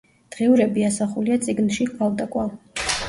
დღიურები ასახულია წიგნში „კვალდაკვალ“.